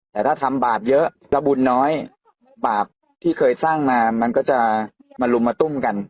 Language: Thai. แต่ถ้าทำบาปเยอะจะบุญน้อยบาปที่เคยสร้างมามันก็จะมาลุมมาตุ้มกัน